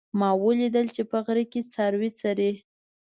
ما ولیدل چې په غره کې څاروي څري